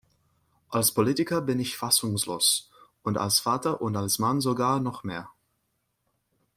Als Politiker bin ich fassungslos, und als Vater und als Mann sogar noch mehr.